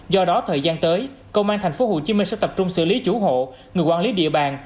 do đó thời gian tới công an thành phố hồ chí minh sẽ tập trung xử lý chủ hộ người quản lý địa bàn